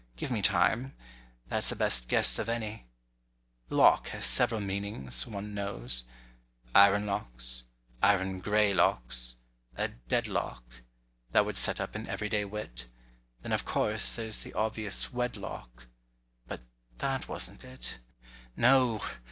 Give me time—that's the best guess of any— "Lock" has several meanings, one knows. Iron locks—iron gray locks—a "deadlock"— That would set up an everyday wit: Then of course there's the obvious "wedlock;" But that wasn't it. No!